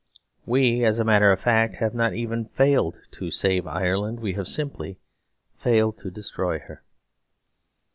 We, as a matter of fact, have not even failed to save Ireland. We have simply failed to destroy her.